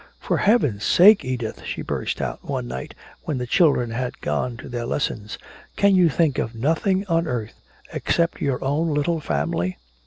"For Heaven's sake, Edith," she burst out, one night when the children had gone to their lessons, "can you think of nothing on earth, except your own little family?"